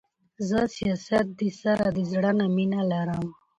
زه سياست د سره د زړه نه مينه لرم.